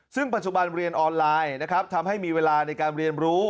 ซึ่งปัจจุบันเรียนออนไลน์นะครับทำให้มีเวลาในการเรียนรู้